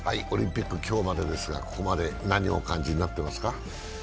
オリンピック今日までですが、ここまで何をお感じになっていますか？